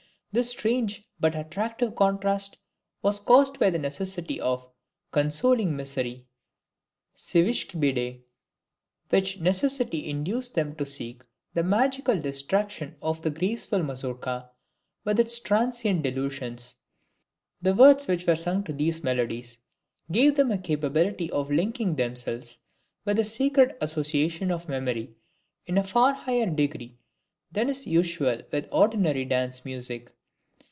This strange but attractive contrast was caused by the necessity of "CONSOLING MISERY" (CIESZYC BIDE), which necessity induced them to seek the magical distraction of the graceful Mazourka, with its transient delusions. The words which were sung to these melodies, gave them a capability of linking themselves with the sacred associations of memory, in a far higher degree than is usual with ordinary dance music.